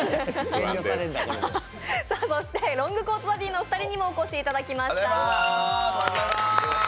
そしてロングコートダディのお二人にもお越しいただきました。